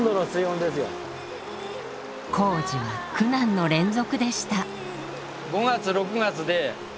工事は苦難の連続でした。